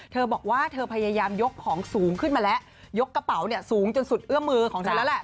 เธอบอกว่าเธอพยายามยกของสูงขึ้นมาแล้วยกกระเป๋าเนี่ยสูงจนสุดเอื้อมือของเธอแล้วแหละ